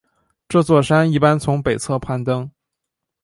这座山一般从北侧攀登。